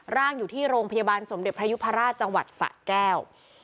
ร่างอยู่ที่โรงพยาบาลสมเด็จพระยุพราชจังหวัดสะแก้ว